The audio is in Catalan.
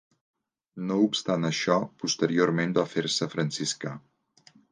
No obstant això, posteriorment va fer-se franciscà.